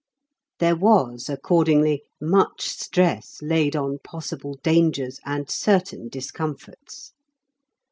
There was, accordingly, much stress laid on possible dangers and certain discomforts.